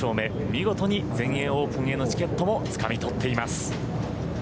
見事に全英オープンへのチケットもつかみ取っています。